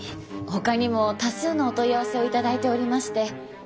ほかにも多数のお問い合わせを頂いておりまして。